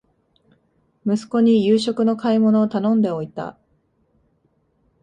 息子に夕食の買い物を頼んでおいた